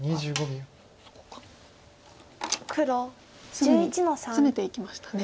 すぐにツメていきましたね。